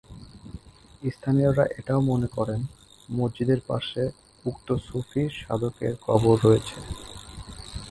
স্থানীয়রা এটাও মনে করেন মসজিদের পাশেই উক্ত সুফি সাধকের কবর রয়েছে।